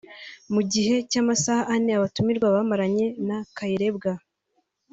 Mu gihe cy’amasaha ane abatumirwa bamaranye na Kayirebwa